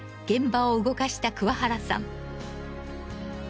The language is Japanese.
現場を動かした桑原さん。